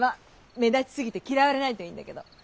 目立ち過ぎて嫌われないといいんだけど。